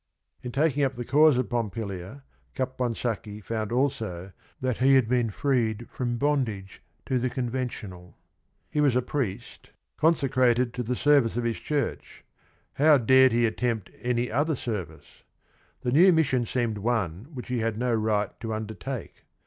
In taking up the cause of Pompilia, Capon sacchi found also that he had been freed from bondage to the conventional. He was a priest, CAPONSACCHI 103 consecrated to the service of his church; how dared he attempt any other service? The new mission seemed one which he had no right to undertake.